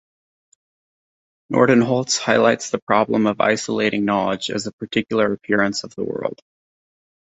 Nordenholz highlights the problem of isolating knowledge as a particular appearance of the world.